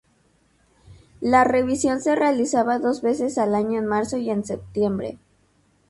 La revisión se realizaba dos veces al año en marzo y en septiembre.